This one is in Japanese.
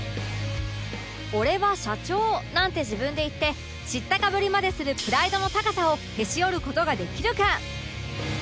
「俺は社長」なんて自分で言って知ったかぶりまでするプライドの高さをへし折る事ができるか？